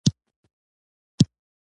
د اقتصادي ستونزو حل ګډ کار غواړي.